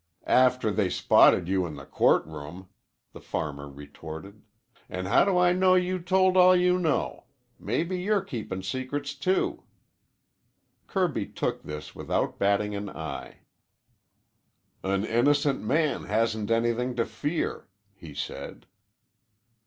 "After they spotted you in the court room," the farmer retorted. "An' how do I know you told all you know? Mebbe you're keepin' secrets, too." Kirby took this without batting an eye. "An innocent man hasn't anything to fear," he said.